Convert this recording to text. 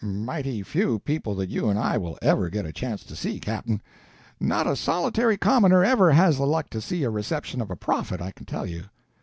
"Mighty few people that you and I will ever get a chance to see, Captain. Not a solitary commoner ever has the luck to see a reception of a prophet, I can tell you.